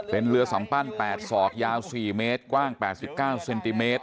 เป็นเรือสัมปั้น๘ศอกยาว๔เมตรกว้าง๘๙เซนติเมตร